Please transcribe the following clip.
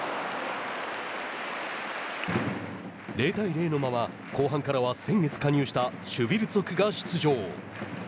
０対０のまま後半からは先月加入したシュヴィルツォクが出場。